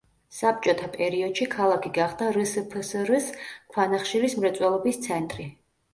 საბჭოთა პერიოდში ქალაქი გახდა რსფსრ-ის ქვანახშირის მრეწველობის ცენტრი.